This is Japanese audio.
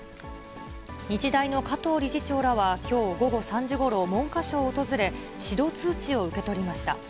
日大の加藤理事長らは、きょう午後３時ごろ、文科省を訪れ、指導通知を受け取りました。